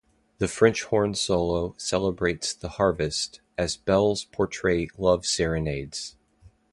The French horn solo celebrates the harvest as bells portray love serenades.